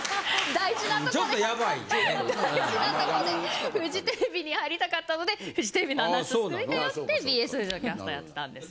大事なとこでフジテレビに入りたかったのでフジテレビのアナウンススクールに通ってＢＳフジのキャスターやってたんです。